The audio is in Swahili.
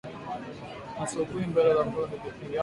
Asubui mbele ya kutoka niliomba Mungu